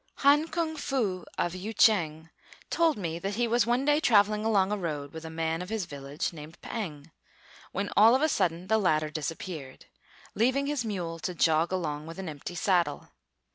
Han Kung fu, of Yü ch'êng, told me that he was one day travelling along a road with a man of his village, named P'êng, when all of a sudden the latter disappeared, leaving his mule to jog along with an empty saddle.